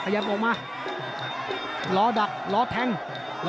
ฝ่ายทั้งเมืองนี้มันตีโต้หรืออีโต้